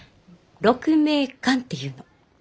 鹿鳴館っていうの。